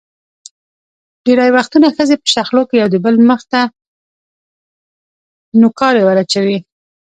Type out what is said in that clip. ډېری وختونه ښځې په شخړو کې یو دبل مخ ته نوکارې ور اچوي.